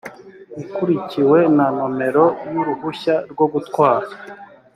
ikurikiwe na nomero y uruhushya rwo gutwara